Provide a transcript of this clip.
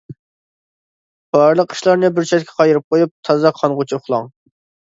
بارلىق ئىشلارنى بىر چەتكە قايرىپ قۇيۇپ، تازا قانغۇچە ئۇخلاڭ.